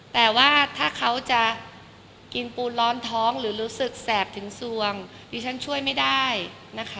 แต่ว่าถ้าเขาจะกินปูนร้อนท้องหรือรู้สึกแสบถึงสวงดิฉันช่วยไม่ได้นะคะ